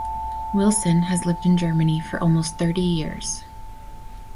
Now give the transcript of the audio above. Wilson has lived in Germany for almost thirty years.